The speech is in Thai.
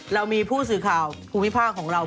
เรามีผู้สื่อข่าวภูมิภาคของเรา